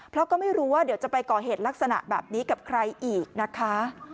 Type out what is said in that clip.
เพราะก็ไม่รู้ว่าเดี๋ยวจะไปก่อเหตุลักษณะแบบนี้กับใครอีกนะคะ